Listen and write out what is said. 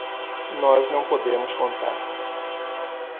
Nós não podemos contar.